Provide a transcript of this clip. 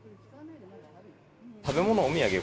食べ物のお土産は？